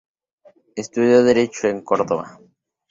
Estudió Derecho en Córdoba.